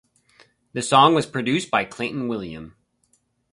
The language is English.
The song was produced by Clayton William.